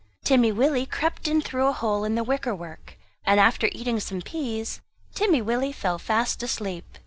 Timmy Willie crept in through a hole in the wicker work, and after eating some peas Timmy Willie fell fast asleep.